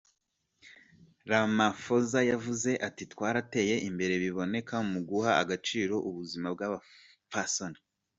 Ramaphosa yavuze ati:"Twarateye imbere biboneka mu guha agaciro ubuzima bw'abapfasoni.